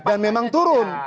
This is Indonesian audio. dan memang turun